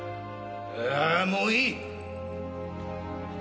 ああもういい！